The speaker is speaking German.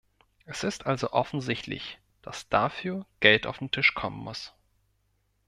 Es ist also offensichtlich, dass dafür Geld auf den Tisch kommen muss.